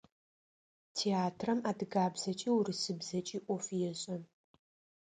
Театрам адыгабзэкӏи урысыбзэкӏи ӏоф ешӏэ.